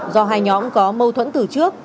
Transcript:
do hai nhóm có mâu thuẫn từ trước